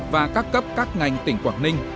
và các cấp các ngành tỉnh quảng ninh